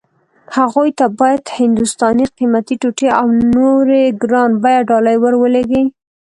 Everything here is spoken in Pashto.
هغوی ته باید هندوستاني قيمتي ټوټې او نورې ګران بيه ډالۍ ور ولېږي.